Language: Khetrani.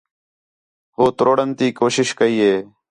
ہُو تروڑݨ تی کوشش کَئی ہے